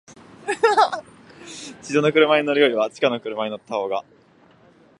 地上の車に乗るよりは、地下の車に乗ったほうが、